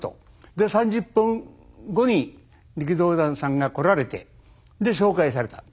で３０分後に力道山さんが来られてで紹介された。